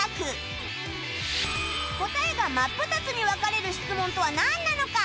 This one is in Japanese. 答えが真っ二つに分かれる質問とはなんなのか？